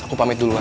aku pamit dulu kan